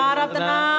tidak ada tenang